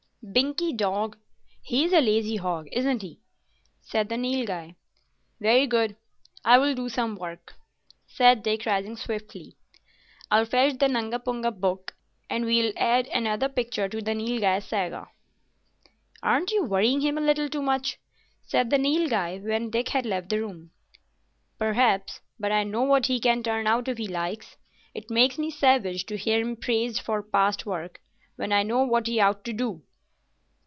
"Binkie dog, he's a lazy hog, isn't he?" said the Nilghai. "Very good, I will do some work," said Dick, rising swiftly. "I'll fetch the Nungapunga Book, and we'll add another picture to the Nilghai Saga." "Aren't you worrying him a little too much?" asked the Nilghai, when Dick had left the room. "Perhaps, but I know what he can turn out if he likes. It makes me savage to hear him praised for past work when I know what he ought to do.